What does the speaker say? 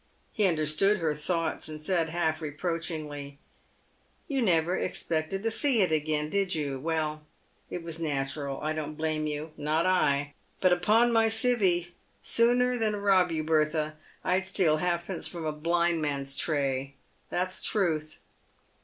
He understood her thoughts, and said, half reproachingly, " You never expected to see it again, did you ? Well, it was natural. I don't blame you — not I ; but, upon my civy, sooner than rob you, Bertha, I'd steal halfpence from a blind man's tray — that's truth."